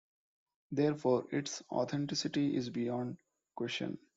Therefore, its authenticity is beyond question.